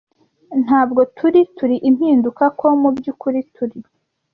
Ntabwo turi, turi impinduka; ko mubyukuri turi